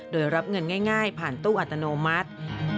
โดยรับเงินง่ายผ่านตู้อัตโนมัติ